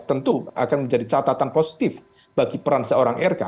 tentu akan menjadi catatan positif bagi peran seorang rk